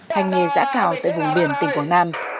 hành nghề giã cào tại vùng biển tỉnh quảng nam